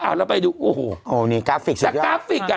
อ่าแล้วไปดูโอ้โหโอ้นี่กราฟิกสุดยอดแต่กราฟิกอ่ะ